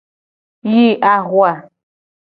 Yi ahua.